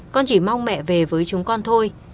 con chỉ mong mẹ về với chúng con thôi